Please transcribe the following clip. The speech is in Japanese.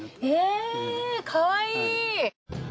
へぇかわいい！